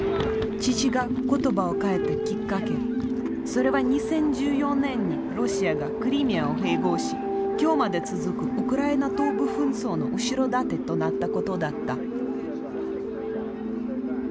それは２０１４年にロシアがクリミアを併合し今日まで続くウクライナ東部紛争の後ろ盾となったことだった。